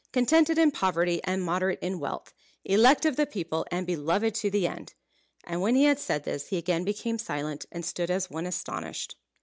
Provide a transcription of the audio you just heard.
Contented in poverty, and moderate in wealth. Elect of the people, and beloved to the end!" And when he had said this, he again became silent, and stood as one astonished.